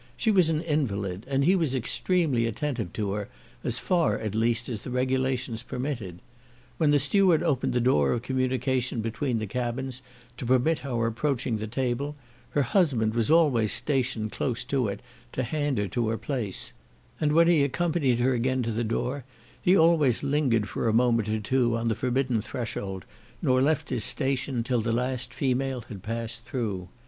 She was an invalid, and he was extremely attentive to her, as far, at least, as the regulations permitted. When the steward opened the door of communication between the cabins, to permit our approaching the table, her husband was always stationed close to it to hand her to her place; and when he accompanied her again to the door, he always lingered for a moment or two on the forbidden threshold, nor left his station, till the last female had passed through.